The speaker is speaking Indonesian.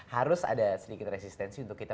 harus ada sedikit resistensi untuk kita